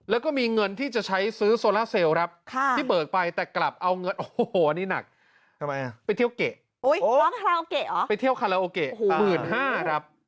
แล้วก็มีเงินที่จะใช้ซื้อโซล่าเซลล์ขมักน่ะ